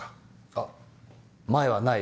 あっマエはない？